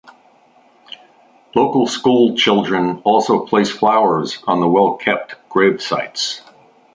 Local school children also place flowers on the well-kept grave sites.